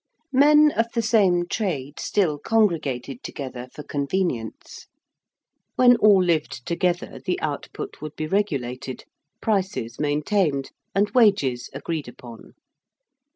Men of the same trade still congregated together for convenience. When all lived together the output would be regulated, prices maintained, and wages agreed upon.